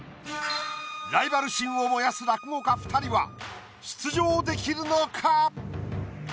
ライバル心を燃やす落語家２人は出場できるのか？